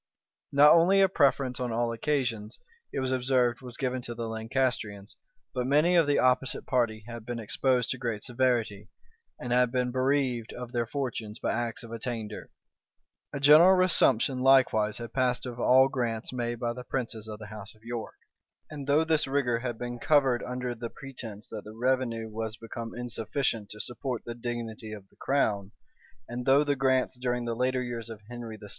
Not only a preference on all occasions, it was observed, was given to the Lancastrians, but many of the opposite party had been exposed to great severity, and had been bereaved of their fortunes by acts of attainder. A general resumption likewise had passed of all grants made by the princes of the house of York; and though this rigor had been covered under the pretence that the revenue was become insufficient to support the dignity of the crown, and though the grants during the later years of Henry VI.